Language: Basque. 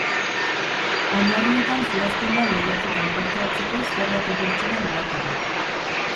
Oinarrietan zehazten da lehiaketan parte hartzeko zer datu pertsonal behar diren.